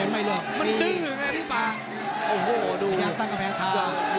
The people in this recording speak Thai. มาซื้อค่อนข้างกำแพงคา